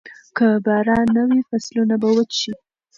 که باران نه وي، فصلونه به وچ شي.